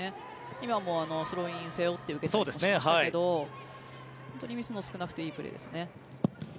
今もスローインを背負って受けていましたけどミスも少なくていいプレーですね。